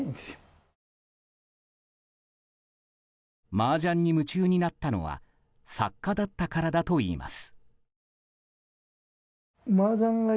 マージャンに夢中になったのは作家だったからだといいます。